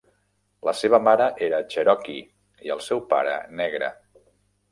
La seva mare era cherokee i el seu pare negre.